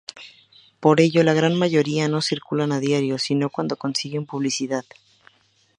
Por ello la gran mayoría no circulan a diario si no cuando consiguen publicidad.